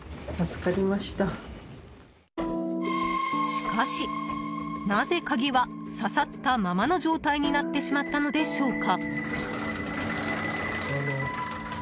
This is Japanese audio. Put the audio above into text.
しかし、なぜ鍵は挿さったままの状態になってしまったのでしょうか？